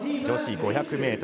女子５００ｍ。